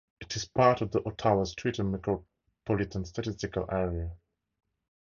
It is part of the Ottawa-Streator Micropolitan Statistical Area.